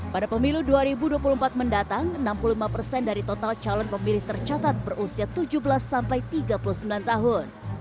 pada pemilu dua ribu dua puluh empat mendatang enam puluh lima persen dari total calon pemilih tercatat berusia tujuh belas sampai tiga puluh sembilan tahun